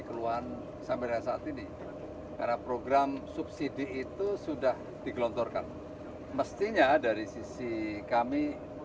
keluhan sampai saat ini karena program subsidi itu sudah digelontorkan mestinya dari sisi kami